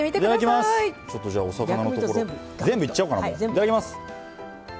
いただきます！